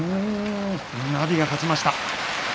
阿炎が勝ちました。